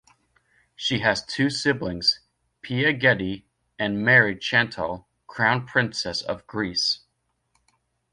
She has two siblings, Pia Getty and Marie-Chantal, Crown Princess of Greece.